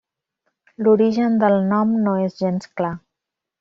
L’origen del nom no és gens clar.